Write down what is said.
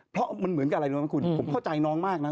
เพราะมันเหมือนกับอะไรรู้ไหมคุณผมเข้าใจน้องมากนะ